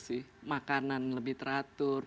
sih makanan lebih teratur